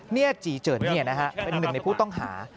นี่จีเจิดเป็นหนึ่งในผู้ต้องหา